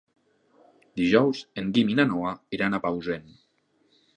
Dijous en Guim i na Noa iran a Bausen.